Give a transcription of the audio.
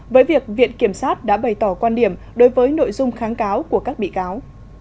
với việc viện kiểm sát đã bày tỏ quan điểm đối với nội dung kháng cáo của các bị cáo